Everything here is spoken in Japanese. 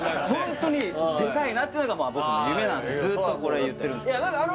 ホントに出たいなっていうのがまあ僕の夢なんでずっとこれは言ってるんですけど